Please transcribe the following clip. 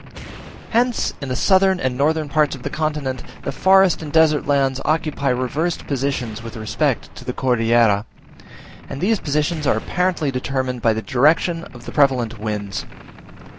Hence in the southern and northern parts of the continent, the forest and desert lands occupy reversed positions with respect to the Cordillera, and these positions are apparently determined by the direction of the prevalent winds.